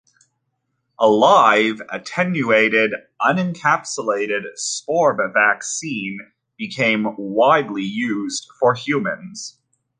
A live attenuated, unencapsulated spore vaccine became widely used for humans.